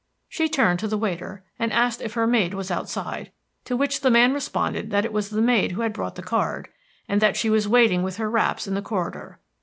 She turned to the waiter, and asked if her maid was outside, to which the man responded that it was the maid who had brought the card, and that she was waiting with her wraps in the corridor.